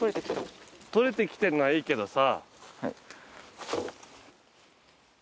取れてきてんのはいいけどさ。